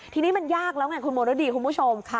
ทีนี้มันยากแล้วไงคุณมรดีคุณผู้ชม